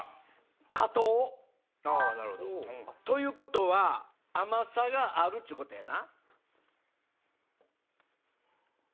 「加糖」。ということは甘さがあるっちゅうことやな。